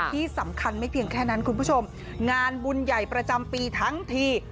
ที่สำคัญไม่เพียงแค่นั้นคุณผู้ชมงานบุญใหญ่ประจำปีทั้งที